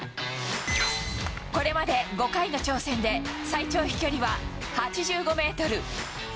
これまで５回の挑戦で、最長飛距離は８５メートル。